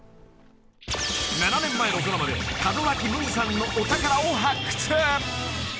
［７年前のドラマで門脇麦さんのお宝を発掘］